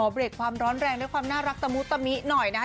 เบรกความร้อนแรงด้วยความน่ารักตะมุตะมิหน่อยนะฮะ